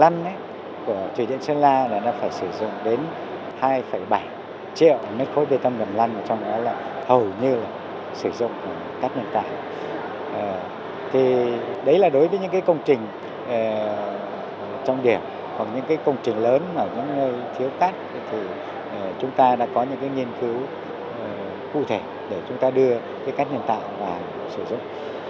nếu cát thì chúng ta đã có những nghiên cứu cụ thể để chúng ta đưa cát nhân tạo vào sử dụng